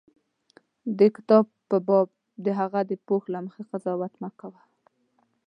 د کتاب په باب د هغه د پوښ له مخې قضاوت مه کوه.